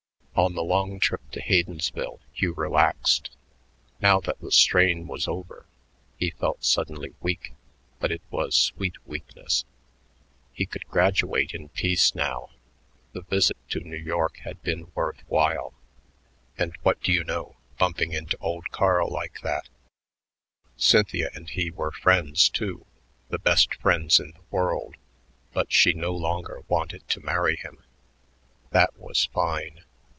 On the long trip to Haydensville Hugh relaxed. Now that the strain was over, he felt suddenly weak, but it was sweet weakness. He could graduate in peace now. The visit to New York had been worth while. And what do you know, bumping into old Carl like that I Cynthia and he were friends, too, the best friends in the world, but she no longer wanted to marry him. That was fine....